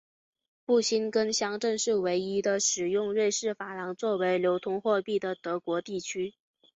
布辛根乡镇是唯一的使用瑞士法郎作为流通货币的德国地区。